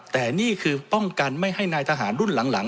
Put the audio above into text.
แต่นี่คือป้องกันไม่ให้นายทหารรุ่นหลัง